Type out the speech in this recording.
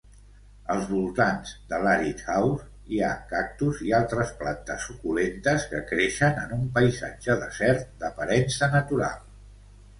Als voltants de l'Arid House hi ha cactus i altres plantes suculentes que creixen en un paisatge desert d'aparença natural.